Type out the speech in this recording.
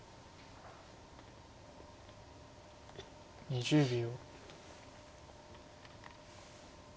２０秒。